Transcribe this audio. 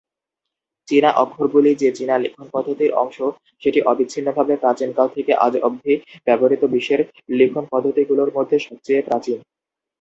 চীনা অক্ষরগুলি যে চীনা লিখন পদ্ধতির অংশ, সেটি অবিচ্ছিন্নভাবে প্রাচীনকাল থেকে আজ অবধি ব্যবহৃত বিশ্বের লিখন পদ্ধতিগুলির মধ্যে সবচেয়ে প্রাচীন।